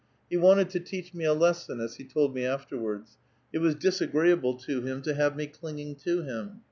He wanted to teach me a lesson, as he told me afterwards ; it was disagreeable to him to have me clinging to him.